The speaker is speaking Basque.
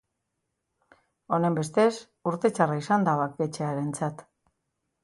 Honenbestez, urte txarra izan da banketxearentzat.